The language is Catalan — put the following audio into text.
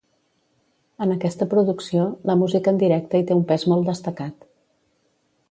En aquesta producció, la música en directe hi té un pes molt destacat.